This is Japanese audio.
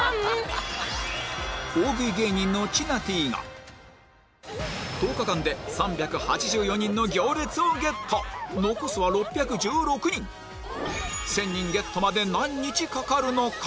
大食い芸人のちなていが１０日間で３８４人の行列をゲット残すは６１６人１０００人ゲットまで何日かかるのか？